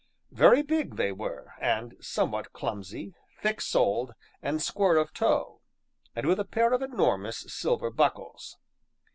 Very big they were, and somewhat clumsy, thick soled, and square of toe, and with a pair of enormous silver buckles.